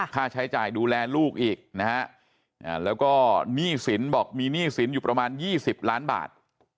ค่าใช้จ่ายดูแลลูกอีกนะฮะแล้วก็หนี้สินบอกมีหนี้สินอยู่ประมาณ๒๐ล้านบาท